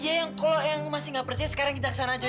iya yang kalau yang masih gak persis sekarang kita kesana aja yuk